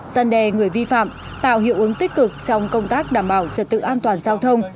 gian đe người vi phạm tạo hiệu ứng tích cực trong công tác đảm bảo trật tự an toàn giao thông